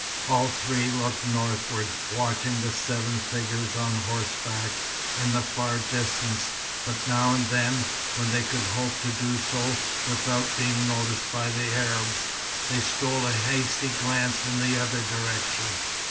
All three looked northward, watching the seven figures on horseback, in the far distance; but now and then, when they could hope to do so without being noticed by the Arabs, they stole a hasty glance in the other direction.